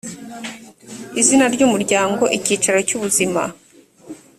izina ry umuryango icyicaro cyubuzima